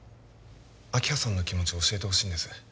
明葉さんの気持ち教えてほしいんです